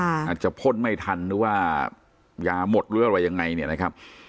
อาจจะพ่นไม่ทันหรือว่ายาหมดหรืออะไรยังไงเนี่ยนะครับ